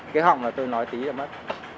cái họng là tôi nói tí là mất